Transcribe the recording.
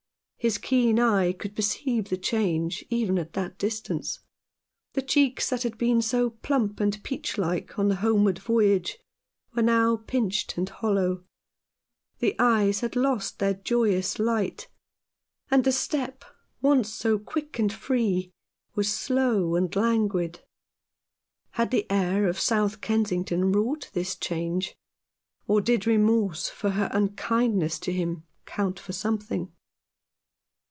His keen eye could perceive the change even at that distance. The cheeks that had been so plump and peach like on the homeward voyage were now pinched and hollow ; the eyes had lost their joyous light; and the step, once so quick and free, was slow and languid. Had the air of South Kensington wrought this change, or did remorse for her unkindness to him count for something